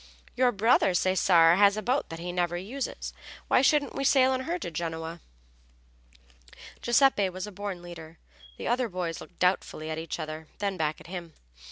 Your brother, Cesare, has a boat that he never uses. Why shouldn't we sail in her to Genoa?" Giuseppe was a born leader. The other boys looked doubtfully at each other, then back at him.